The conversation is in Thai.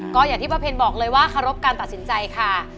ก็อย่างที่ป้าเพลบอกเลยว่าเคารพการตัดสินใจค่ะ